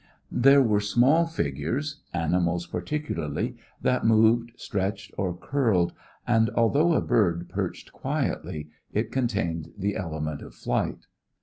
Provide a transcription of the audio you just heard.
There were small figures, animals particularly, that moved, stretched or curled; and although a bird perched quietly, it contained the element of flight.